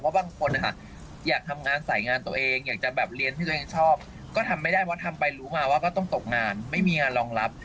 บางคนอยากทำงานสายงานตัวเองอยากจะแบบเรียนที่ตัวเองชอบก็ทำไม่ได้เพราะทำไปรู้มาว่าก็ต้องตกงานไม่มีงานรองรับ